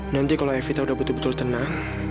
nanti kalau evita sudah betul betul tenang